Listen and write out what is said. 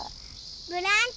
ブランコ！